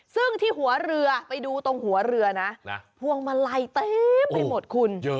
ซึ่งที่หัวเรือไปดูตรงหัวเรือนะพวงมาลัยเต็มไปหมดคุณ